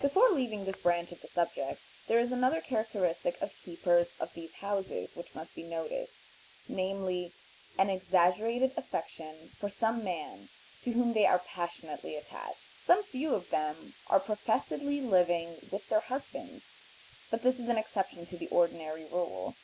Before leaving this branch of the subject, there is another characteristic of keepers of these houses which must be noticed, namely, an exaggerated affection for some man to whom they are passionately attached. Some few of them are professedly living with their husbands, but this is an exception to the ordinary rule.